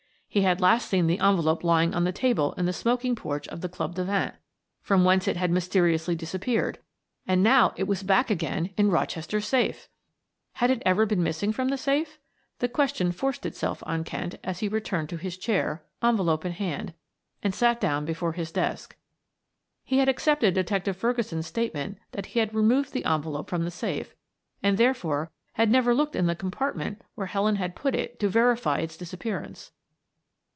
He had last seen the envelope lying on the table in the smoking porch of the Club de Vingt, from whence it had mysteriously disappeared, and now it was back again in Rochester's safe! Had it ever been missing from the safe? The question forced itself on Kent as he returned to his chair, envelope in hand, and sat down before his desk. He had accepted Detective Ferguson's statement that he had removed the envelope from the safe, and therefore had never looked in the compartment where Helen had put it to verify its disappearance.